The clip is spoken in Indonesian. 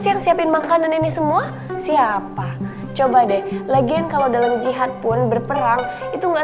siap siapin makanan ini semua siapa coba deh legian kalau dalam jihad pun berperang itu enggak